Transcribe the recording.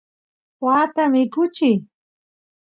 waata mikuchiy